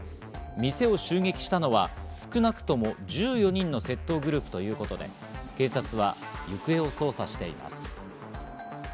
店を襲撃したのは少なくとも１４人の窃盗グループということで、警察は行方を捜査しています。